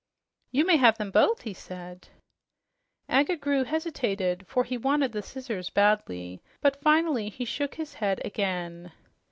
"You may have them both," he said. Agga Groo hesitated, for he wanted the scissors badly, but finally he shook his head again.